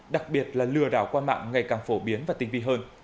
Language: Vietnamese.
đặc biệt là lừa đảo qua mạng ngày càng phổ biến và tinh vi hơn